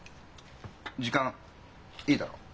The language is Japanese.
時間いいだろう？